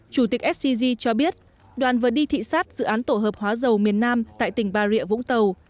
chủ tịch scg cho biết đoàn vừa đi thị xát dự án tổ hợp hóa dầu miền nam tại tỉnh bà rịa vũng tàu